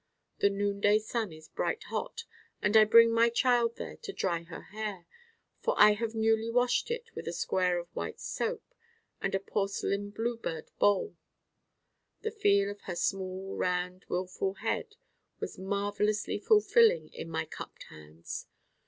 The noonday sun is bright hot and I bring my Child there to dry her hair, for I have newly washed it with a square of white soap and a porcelain bluebird bowl: the feel of her small round wilful head was marvelously fulfilling in my cupped hands.